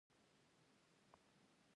نصیر الله بابر په نومبر کي بې واکه شوی